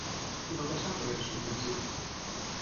Què va passar quan era submergit?